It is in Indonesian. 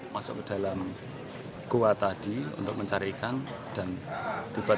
masuk ke dalam gua tadi untuk mencari ikan dan tiba tiba dinding gua yang ada di atas runtuh